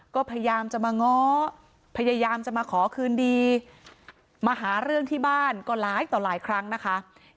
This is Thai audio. ก็พยายามจะมาง้อพยายามจะมาขอคืนดีมาหาเรื่องที่บ้านก็หลายต่อหลายครั้งนะคะ